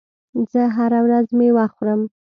زه هره ورځ مېوه خورم.